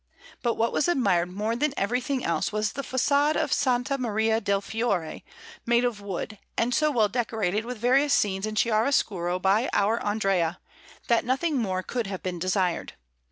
But what was admired more than everything else was the façade of S. Maria del Fiore, made of wood, and so well decorated with various scenes in chiaroscuro by our Andrea, that nothing more could have been desired.